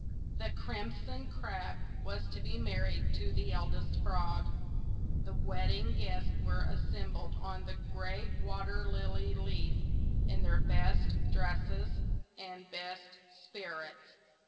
THE Crimson Crab was to be married to the Eldest Frog. The wedding guests were assembled on the great water lily leaf, in their best dresses and best spirits.